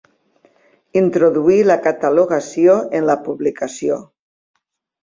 Introduí la catalogació en la publicació.